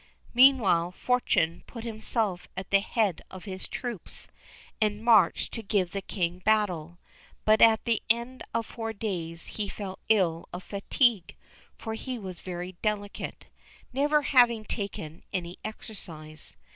Meanwhile, Fortuné put himself at the head of his troops, and marched to give the King battle; but at the end of four days he fell ill of fatigue, for he was very delicate, never having taken any exercise.